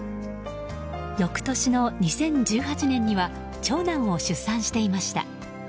翌年の２０１８年には長男を出産していました。